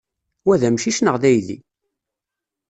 Wa d amcic neɣ d aydi?